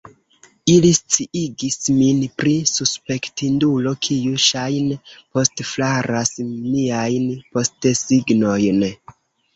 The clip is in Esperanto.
Ili sciigis min pri suspektindulo, kiu ŝajne postflaras niajn postesignojn.